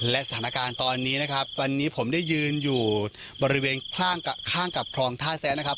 และสถานการณ์ตอนนี้นะครับวันนี้ผมได้ยืนอยู่บริเวณข้างกับคลองท่าแซะนะครับ